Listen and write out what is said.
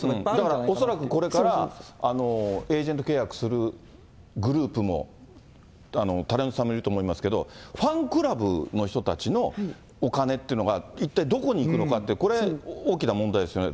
だから恐らく、これからエージェント契約するグループも、タレントさんもいると思いますけれども、ファンクラブの人たちのお金っていうのが、一体どこに行くのかって、これ、大きな問題ですよね。